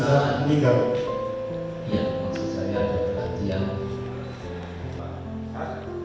dua dua tiga iya maksud saya ada perhatian